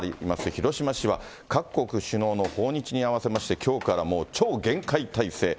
広島市は各国首脳の訪日に合わせまして、きょうからもう超厳戒態勢。